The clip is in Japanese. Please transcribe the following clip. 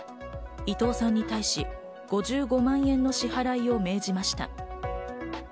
伊藤さんに対し５５万円の支払いを命じました。